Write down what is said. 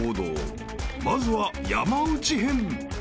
［まずは山内編］